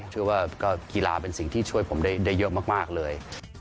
เชื่อว่าก็กีฬาเป็นสิ่งที่ช่วยผมได้เยอะมากเลย